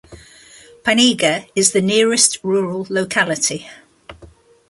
Pinega is the nearest rural locality.